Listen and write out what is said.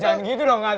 jangan gitu dong nga